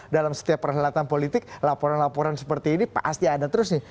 dalam setiap perhelatan politik laporan laporan seperti ini pasti ada terus nih